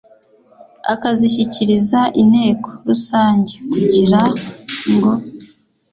akazishyikiriza inteko rusange kugira ngo